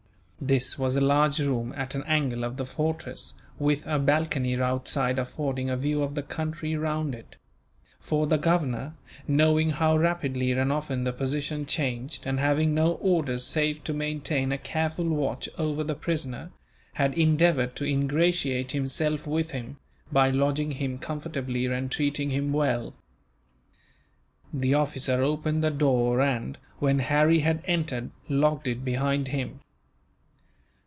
This was a large room, at an angle of the fortress, with a balcony outside affording a view of the country round it; for the governor, knowing how rapidly and often the position changed, and having no orders save to maintain a careful watch over the prisoner, had endeavoured to ingratiate himself with him, by lodging him comfortably and treating him well. The officer opened the door and, when Harry had entered, locked it behind him.